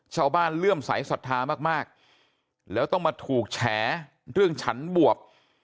เลื่อมใสสัทธามากแล้วต้องมาถูกแฉเรื่องฉันบวบ